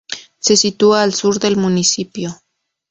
Se sitúa al sur del municipio.